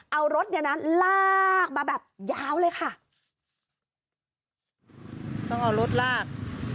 เอารถเนี่ยนะลากมาแบบยาวเลยค่ะต้องเอารถลาก